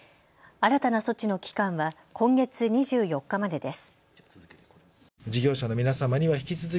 新たな措置の期間は今月２４日までです。